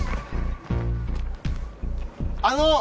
あの！